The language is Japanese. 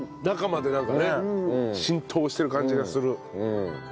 中までなんかね浸透してる感じがする。